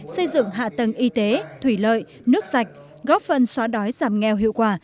xây dựng hạ tầng y tế thủy lợi nước sạch góp phần xóa đói giảm nghèo hiệu quả